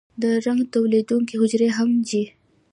د رنګ تولیدونکي حجرې هم چې